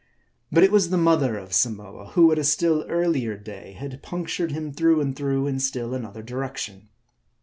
But it was the mother of Samoa, who at a still earlier day had punctured him through and through in still another direction.